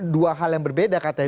dua hal yang berbeda katanya